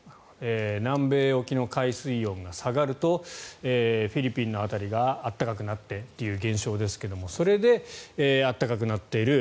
南米沖の海水温が下がるとフィリピンの辺りが暖かくなってという現象ですがそれで暖かくなっている。